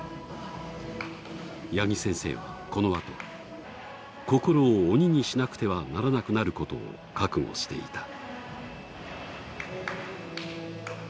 八木先生はこの後心を鬼にしなくてはならなくなることを覚悟していた。